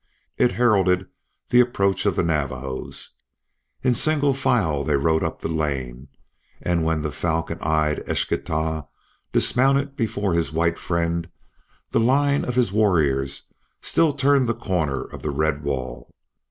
It heralded the approach of the Navajos. In single file they rode up the lane, and when the falcon eyed Eschtah dismounted before his white friend, the line of his warriors still turned the corner of the red wall.